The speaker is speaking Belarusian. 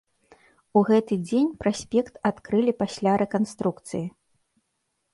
У гэты дзень праспект адкрылі пасля рэканструкцыі.